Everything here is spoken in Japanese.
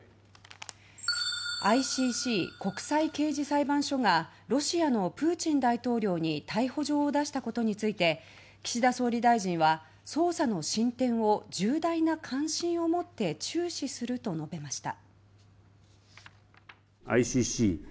ＩＣＣ・国際刑事裁判所がロシアのプーチン大統領に逮捕状を出したことについて岸田総理大臣は捜査の進展を重大な関心を持って注視すると述べました。